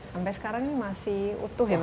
sampai sekarang ini masih utuh ya